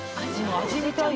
味見たい。